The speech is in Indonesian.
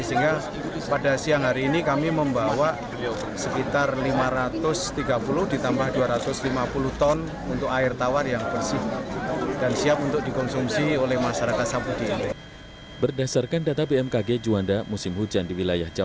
sehingga pada siang hari ini kami membawa sekitar lima ratus tiga puluh ditambah dua ratus lima puluh ton untuk air tawar yang bersih